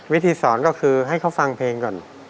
วิธีสอนก็คือให้เขาฟังเพลงก่อน